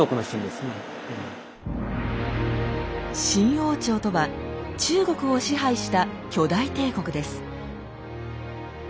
「清王朝」とは中国を支配した巨大帝国です。